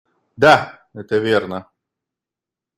Да, это верно.